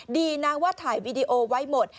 ดีนะว่าถ่ายวีดีโอไว้หมด